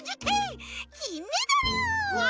きんメダル！わ！